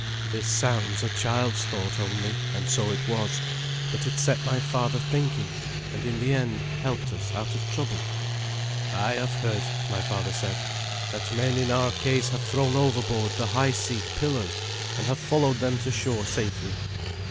This sounds a child's thought only, and so it was; but it set my father thinking, and in the end helped us out of trouble. "I have heard," my father said, "that men in our case have thrown overboard the high seat pillars, and have followed them to shore safely.